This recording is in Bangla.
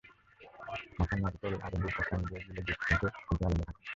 ছাঁকা নারকেল আরও দুই কাপ পানি দিয়ে গুলে দুধটুকু ছেঁকে আলাদা রাখুন।